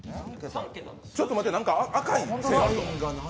ちょっと待って、赤い線あるぞ？